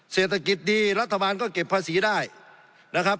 เศรษฐกิจดีรัฐบาลก็เก็บภาษีได้นะครับ